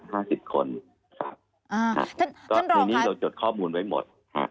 ท่านรองค่ะในนี้เราจดข้อมูลไว้หมด